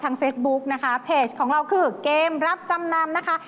เฟซบุ๊กนะคะเพจของเราคือเกมรับจำนำนะคะ